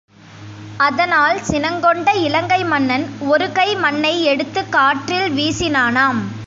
அதனால் சினங்கொண்ட இலங்கை மன்னன் ஒரு கை மண்ணை எடுத்துக் காற்றில் வீசினானாம்.